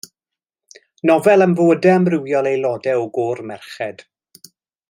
Nofel am fywydau amrywiol aelodau o gôr merched.